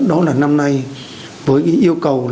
đó là năm nay với yêu cầu